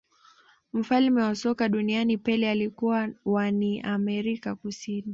mfalme wa soka duniani pele alikuwa wa ni amerika kusini